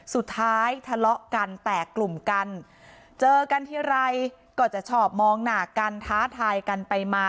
สุดท้ายทะเลาะกันแตกกลุ่มกันเจอกันทีไรก็จะชอบมองหน้ากันท้าทายกันไปมา